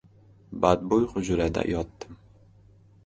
Badbo‘y hujrada yotdim.